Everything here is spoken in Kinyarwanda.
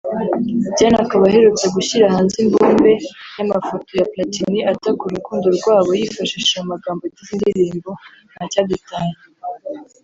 Diane akaba aherutse gushyira hanze imbumbe y’amafoto ya Platini ataka urukundo rwabo yifashishije amagambo agize indirimbo ‘Ntacyadutanya’